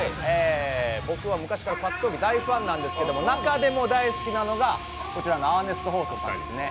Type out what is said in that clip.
僕は昔から格闘技大ファンなんですけれども、中でも大好きなのがこちらのアーネスト・ホーストさんですね。